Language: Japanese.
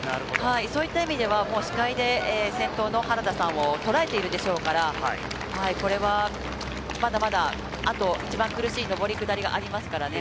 そういった意味では視界で先頭の原田さんも捉えているでしょうから、これは、まだまだあと一番苦しい上り・下りがありますからね。